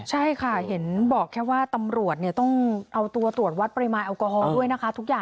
ใช่ค่ะเห็นบอกแค่ว่าตำรวจต้องเอาตัวตรวจวัดปริมาณแอลกอฮอลด้วยนะคะทุกอย่าง